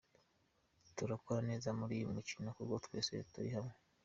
Turakora neza muri uyu mukino kuko twese turi hamwe”.